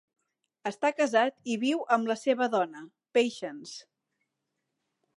Està casat i viu amb la seva dona, Patience.